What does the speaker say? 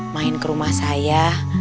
main ke rumah saya